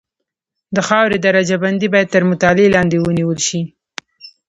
د خاورې درجه بندي باید تر مطالعې لاندې ونیول شي